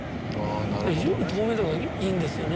だから、非常に透明度がいいんですよね。